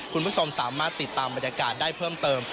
คุณผู้ชมสามารถติดตามบรรยากาศได้เพิ่มเติม